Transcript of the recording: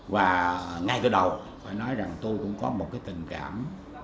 và ngay từ đầu phải nói rằng tôi cũng có một cái tình cảm